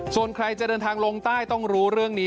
ส่วนใครจะเดินทางลงใต้ต้องรู้เรื่องนี้